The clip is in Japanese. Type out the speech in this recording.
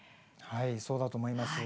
そうだと思います。